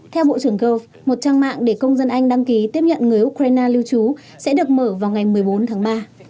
theo bộ trưởng gov một trang mạng để công dân anh đăng ký tiếp nhận người ukraine lưu trú sẽ được mở vào ngày một mươi bốn tháng ba